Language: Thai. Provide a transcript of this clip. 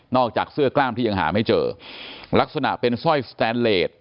อกจากเสื้อกล้ามที่ยังหาไม่เจอลักษณะเป็นสร้อยสแตนเลส